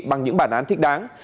bằng những bản án thích đáng